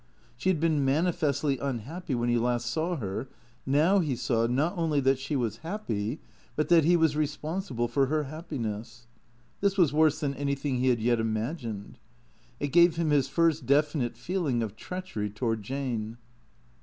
She had been manifestly unhappy when he last saw her. Now he saw, not only that she was happy, but that he was responsible for her happiness. This was worse than anything he had yet imagined. It gave him his first definite feeling of treachery toward Jane.